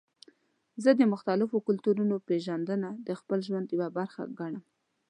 زه د مختلفو کلتورونو پیژندنه د خپل ژوند یوه برخه ګڼم.